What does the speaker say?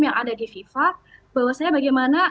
yang ada di fifa bahwasanya bagaimana